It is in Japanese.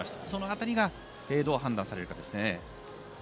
そのあたりがどう判断されるかですね。